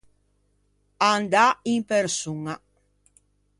Andâ in persoña.